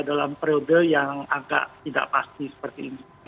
dalam periode yang agak tidak pasti seperti ini